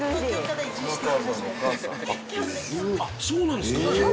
そうなんですか？